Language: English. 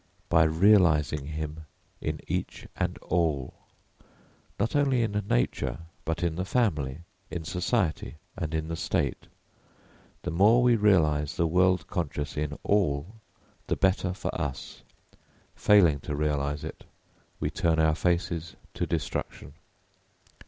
"By realising him in each and all." [Footnote: Bhūtēshu bhūtēshu vichintva.] Not only in nature but in the family, in society, and in the state, the more we realise the World conscious in all, the better for us. Failing to realise it, we turn our faces to destruction.